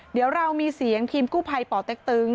เดี๋ยวเรามีเสียงพิมพ์กู้ไพด้านบน